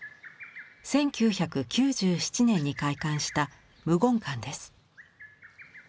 １９９７年に開館した無言館です。